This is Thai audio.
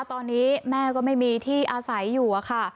ตอนนี้แม่ก็ไม่มีที่อาศัยอยู่อะค่ะ